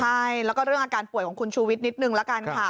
ใช่แล้วก็เรื่องอาการป่วยของคุณชูวิทย์นิดนึงละกันค่ะ